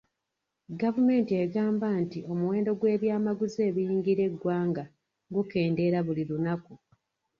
Gavumenti egamba nti omuwendo gw'ebyamaguzi ebiyingira eggwanga gukendeera buli lunaku.